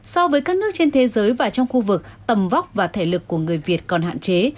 so với các nước trên thế giới và trong khu vực tầm vóc và thể lực của người việt còn hạn chế